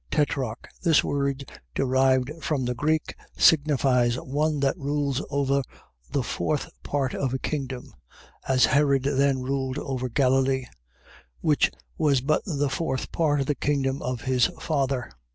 Tetrarch. . .This word, derived from the Greek, signifies one that rules over the fourth part of a kingdom: as Herod then ruled over Galilee, which was but the fourth part of the kingdom of his father.